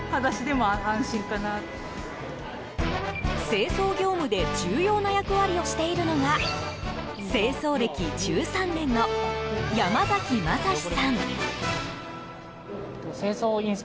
清掃業務で重要な役割をしているのが清掃歴１３年の山崎誠志さん。